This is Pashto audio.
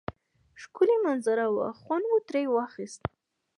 ښکلی منظره وه خوند مو تری واخیست